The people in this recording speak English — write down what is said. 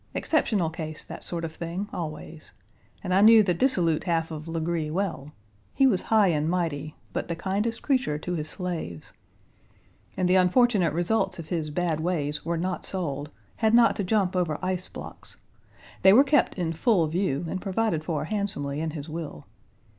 Exceptional case, that sort of thing, always. And I knew the dissolute half of Legree well. He Page 115 was high and mighty, but the kindest creature to his slaves. And the unfortunate results of his bad ways were not sold, had not to jump over ice blocks. They were kept in full view, and provided for handsomely in his will."